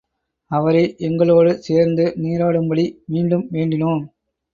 அவரை எங்களோடு சேர்ந்து நீராடும்படி மீண்டும் வேண்டினோம்.